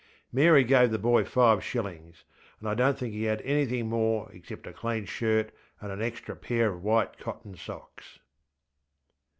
Mary gave the boy five shillings, and I donŌĆÖt think he had anything more except a clean shirt and an extra pair of white cotton socks.